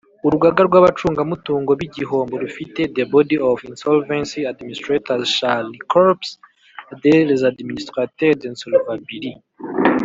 Urugaga rw abacungamutungo b igihombo rufite The body of insolvency administrators shall Le corps des administrateurs d insolvabilit